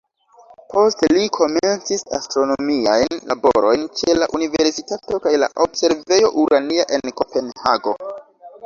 Poste li komencis astronomiajn laborojn ĉe la universitato kaj la observejo "Urania" en Kopenhago.